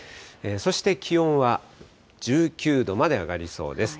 そして、気温は１９度まで上がりそうです。